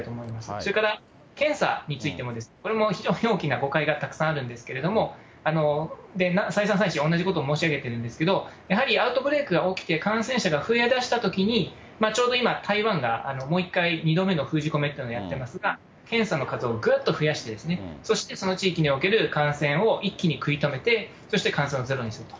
それから検査についても、これも非常に大きな誤解がたくさんあるんですけど、再三再四、同じことを申し上げてるんですけども、やはりアウトブレークが起きて感染者が増えだしたときに、ちょうど今、台湾がもう一回、２度目の封じ込めというのをやってますが、検査の数をぐっと増やしてですね、そしてその地域における感染を一気に食い止めて、そして感染をゼロにすると。